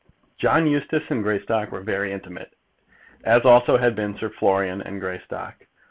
John Eustace and Greystock were very intimate, as also had been Sir Florian and Greystock.